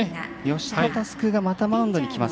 吉田佑久がまたマウンドに。